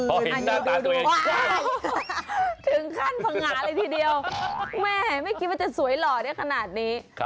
โอ้โฮเยี่ยมมาก